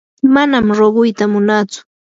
manam ruqayta munatsu.